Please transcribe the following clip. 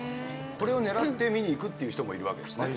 これを狙って見に行くっていう人もいるわけですね。